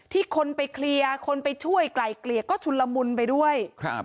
ที่คนไปเคลียร์คนไปช่วยกลายเคลียร์ก็ชุลมุนไปด้วย